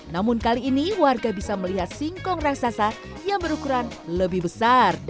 namun kali ini warga bisa melihat singkong raksasa yang berukuran lebih besar